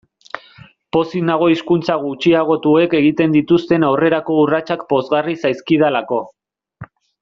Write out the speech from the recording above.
Pozik nago hizkuntza gutxiagotuek egiten dituzten aurrerako urratsak pozgarri zaizkidalako.